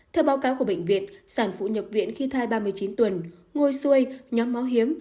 theo báo cáo của bệnh viện sản phụ nhập viện khi thai ba mươi chín tuần ngôi xuôi nhóm máu hiếm